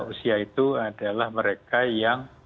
usia itu adalah mereka yang